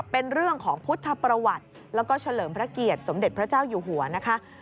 เป็นเรื่องของพุทธประวัติแล้วก็เฉลิมพระเกียรติสมเด็จพระเจ้าอยู่หัวนะคะ